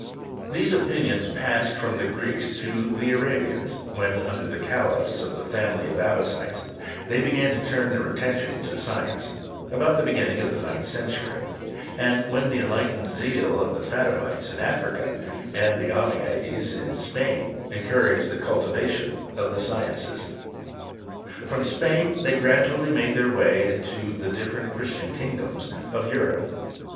These opinions passed from the Greeks to the An^ bians, when, under the califs of the family of Aba»< tides, they began to turn their attention to science, about the beginning of the ninth century ; and whet the enlightened zeal of the Fatimites in Africa, anc the Ommiades in Spain, encouraged the cultivaiioi of the sciences. From Spain they gradually mad their way into the difierent Christian kingdoms of Sn rope.